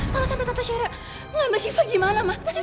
kalau sampai tante sairah ngambil siva gimana ma pasti semua berubah